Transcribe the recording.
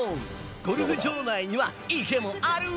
ゴルフ場内には池もある！